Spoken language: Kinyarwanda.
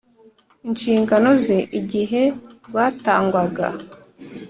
inshingano ze igihe rwatangwaga